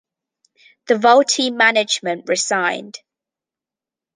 The Vultee management resigned.